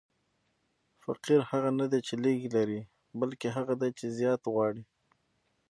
فقیر هغه نه دئ، چي لږ لري؛ بلکي هغه دئ، چي زیات غواړي.